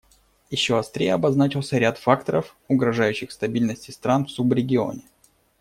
Еще острее обозначился ряд факторов, угрожающих стабильности стран в субрегионе.